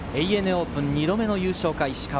ＡＮＡオープン２度目の優勝か、石川。